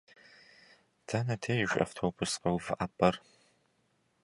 Дэнэ деж автобус къэувыӏэпӏэр?